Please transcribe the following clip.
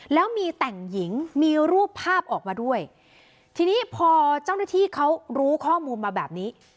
แล้วมีแต่งหญิงมีรูปภาพออกมาด้วยทีนี้พอเจ้าหน้าที่เขารู้ข้อมูลมาแบบนี้